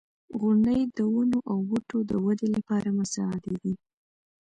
• غونډۍ د ونو او بوټو د ودې لپاره مساعدې دي.